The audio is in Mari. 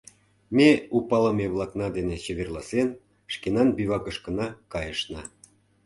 Ме, у палыме-влакна дене чеверласен, шкенан бивакышкына кайышна.